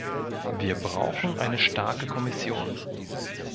Wir brauchen eine starke Kommission.